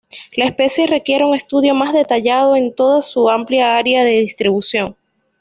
La especie requiere un estudio más detallado en toda su amplia área de distribución.